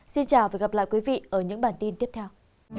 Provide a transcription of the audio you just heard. xin chào và hẹn gặp lại các bạn trong những bản tin tiếp theo